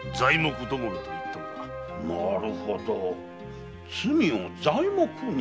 なるほど罪を材木に？